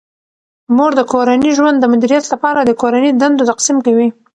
مور د کورني ژوند د مدیریت لپاره د کورني دندو تقسیم کوي.